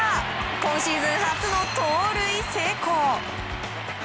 今シーズン初の盗塁成功。